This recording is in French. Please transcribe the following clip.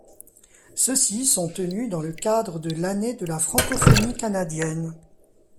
Ceux-ci sont tenus dans le cadre de l’Année de la Francophonie canadienne.